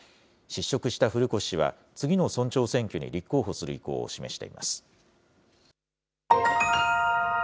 失職した古越氏は、次の村長選挙に立候補する意向を示しています。